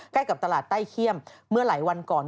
ใกล้กับตลาดใต้เขี้ยมเมื่อหลายวันก่อน